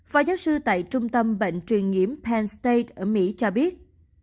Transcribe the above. phó giáo sư tại trung tâm bệnh truyền nghiễm penn state ở mỹ cho biết